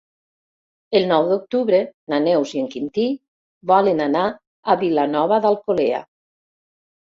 El nou d'octubre na Neus i en Quintí volen anar a Vilanova d'Alcolea.